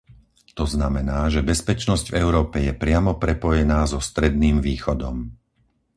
To znamená, že bezpečnosť v Európe je priamo prepojená so Stredným východom.